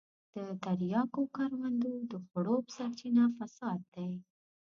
د تریاکو کروندو د خړوب سرچينه فساد دی.